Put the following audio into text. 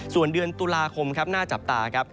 ส่วนเดือนตุลาคมครับน่าจับตาครับ